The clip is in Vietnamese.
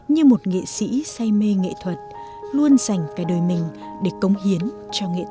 như một nghệ sĩ say mê nghệ thuật luôn dành cả đời mình để công hiến cho nghệ thuật